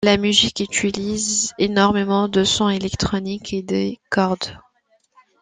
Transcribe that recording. La musique utilise énormément de sons électroniques et des cordes.